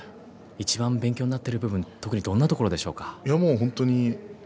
いちばん勉強になっている部分、特にどの部分でしょうか。